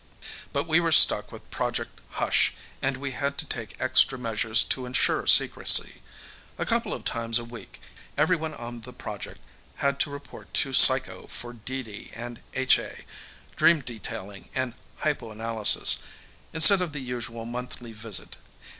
But we were stuck with Project Hush and we had to take extra measures to ensure secrecy. A couple of times a week, everyone on the project had to report to Psycho for DD & HA dream detailing and hypnoanalysis instead of the usual monthly visit.